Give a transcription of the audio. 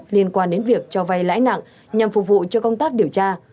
liên quan đến việc cho vay lãi nặng nhằm phục vụ cho công tác điều tra